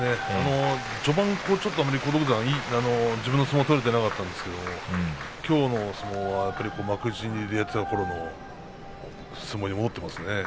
序盤、荒篤山、自分の相撲が取れていなかったんですけれどきょうの相撲は幕内でやっていたころの相撲に戻っていますね。